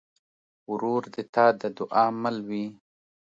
ورور د تا د دعا مل وي.